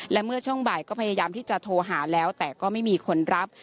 และเมื่อช่วงบ่ายก็พยายามที่จะโทรหาแล้วแต่ก็ไม่มีคนรับ